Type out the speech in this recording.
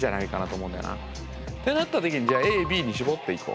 なった時にじゃあＡＢに絞っていこう。